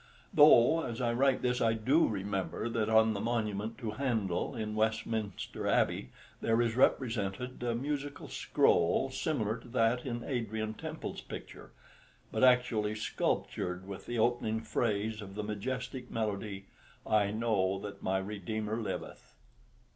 Though, as I write this, I do remember that on the monument to Handel in Westminster Abbey there is represented a musical scroll similar to that in Adrian Temple's picture, but actually sculptured with the opening phrase of the majestic melody, "I know that my Redeemer liveth."